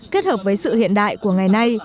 kết hợp với sự hiện đại của ngày nay